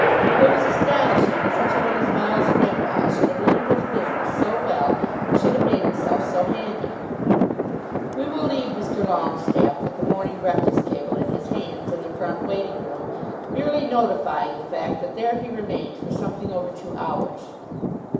It was astonishing that such a one as Miles Grendall should have learned his business so well and should have made himself so handy! We will leave Mr. Longestaffe with the "Morning Breakfast Table" in his hands, in the front waiting room, merely notifying the fact that there he remained for something over two hours.